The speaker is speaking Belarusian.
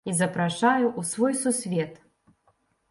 І запрашаю у свой сусвет!